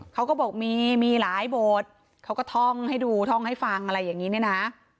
เขาก็บอกมีมีหลายโบสถ์เขาก็ท่องให้ดูท่องให้ฟังอะไรอย่างนี้เนี่ยนะ